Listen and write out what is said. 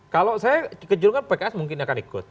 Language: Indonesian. kalau saya kejurungan pks mungkin akan ikut